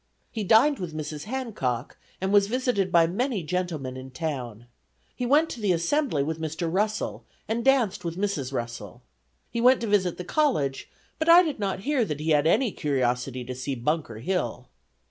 He dined with Mrs. Hancock, and was visited by many gentlemen in town. He went to the assembly with Mr. Russell, and danced with Mrs. Russell. He went to visit the college, but I did not hear that he had any curiosity to see Bunker Hill.